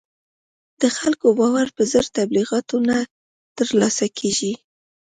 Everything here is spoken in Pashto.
د خلکو باور په زر تبلیغاتو نه تر لاسه کېږي.